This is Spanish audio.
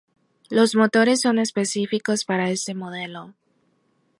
Los motores son específicos para este modelo.